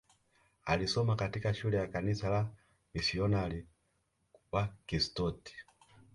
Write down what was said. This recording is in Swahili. alisoma katika shule ya kanisa la wamisionari wa Kiskoti